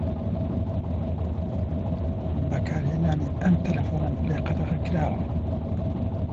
بەکارهێنانی ئەم تەلەفۆنەم لێ قەدەغە کراوە.